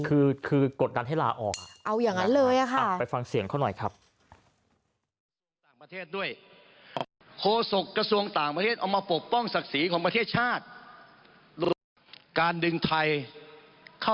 คือคือกดกันให้ลาออกเอาอย่างนั้นเลยอ่ะค่ะ